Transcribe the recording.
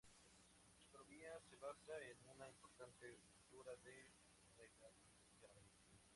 Su economía se basa en una importante agricultura de regadío y ganadería.